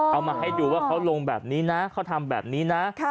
เอามาให้ดูว่าเขาลงแบบนี้นะเขาทำแบบนี้นะ